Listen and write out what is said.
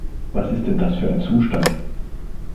Was ist denn das für ein Zustand!